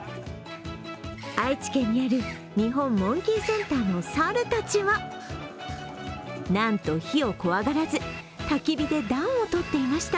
愛知県にある日本モンキーセンターの猿たちはなんと火を怖がらず、たき火で暖をとっていました。